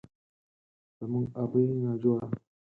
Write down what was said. زموږ ابۍ ناجوړه،